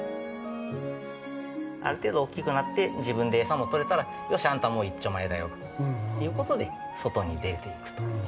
ある程度大きくなって自分で餌も取れたらよし、あんた、いっちょ前だよということで外に出ていく。